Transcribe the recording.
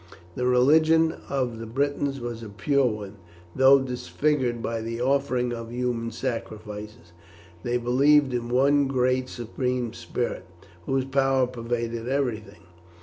The religion of the Britons was a pure one, though disfigured by the offering of human sacrifices. They believed in one great Supreme Spirit, whose power pervaded everything.